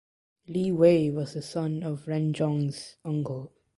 Li Wei was the son of Renzong’s uncle.